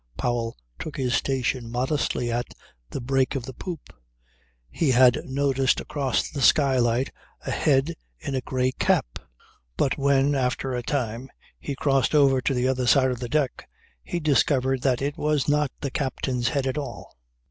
Powell took his station modestly at the break of the poop. He had noticed across the skylight a head in a grey cap. But when, after a time, he crossed over to the other side of the deck he discovered that it was not the captain's head at all.